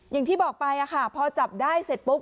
อย่างที่บอกไปพอจับได้เสร็จปุ๊บ